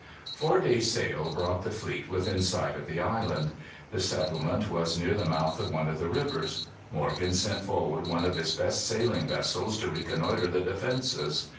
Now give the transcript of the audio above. Four days' sail brought the fleet within sight of the island. The settlement was near the mouth of one of the rivers. Morgan sent forward one of his best sailing vessels to reconnoitre the defences.